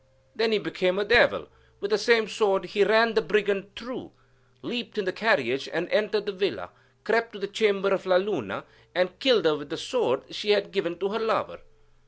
Then he became a devil: with the same sword he ran the brigand through, leaped in the carriage, and, entering the villa, crept to the chamber of La Luna, and killed her with the sword she had given to her lover.